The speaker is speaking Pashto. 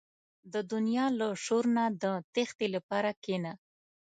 • د دنیا له شور نه د تیښتې لپاره کښېنه.